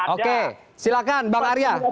oke silahkan bang arya